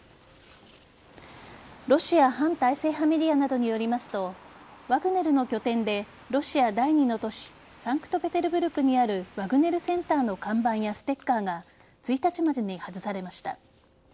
ロシア反体制派メディアなどによりますとワグネルの拠点でロシア第２の都市サンクトペテルブルクにあるワグネル・センターの看板やステッカーが１日までに外されました。